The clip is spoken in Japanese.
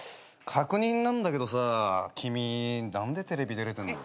確認なんだけどさ君何でテレビ出れてんの？